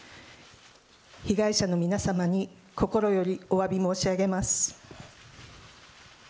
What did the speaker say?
被害者の皆さまに心よりおわび申し上げます。